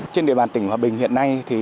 trên địa bàn tỉnh hòa bình hiện nay